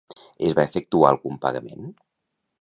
Es va efectuar algun pagament?